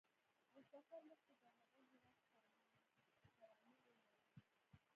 له سفر مخکې د هغه هیواد قوانین ولوله.